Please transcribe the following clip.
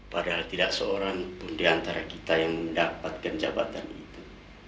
padahal tidak seorang pun diantara kita yang mendapatkan jabatan itu